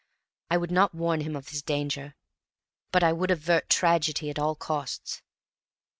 I would not warn him of his danger; but I would avert tragedy at all costs.